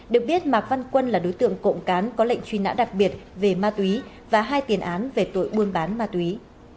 được biết mạc văn quân là đối tượng cộng cán có lệnh truy nã đặc biệt về ma túy và hai tiền án về tội buôn bán ma túy